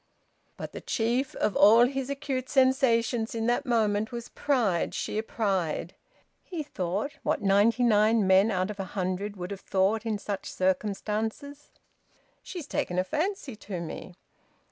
But the chief of all his acute sensations in that moment was pride: sheer pride. He thought, what ninety nine men out of a hundred would have thought in such circumstances: "She's taken a fancy to me!"